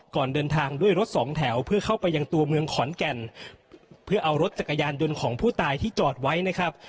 ก่อนเดินทางด้วยรถสองแถวเพื่อเข้าไปยังตัวเมืองขอนแก่นเพื่อเอารถจักรยานยนต์ของผู้ตายที่จอดไว้นะครับ